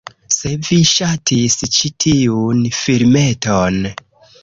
Se vi ŝatis ĉi tiun filmeton